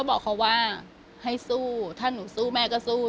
บอกเขาว่าให้สู้ถ้าหนูสู้แม่ก็สู้